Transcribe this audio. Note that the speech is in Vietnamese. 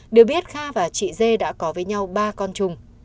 điều biết kha và chị d đã có với nhau ba con chung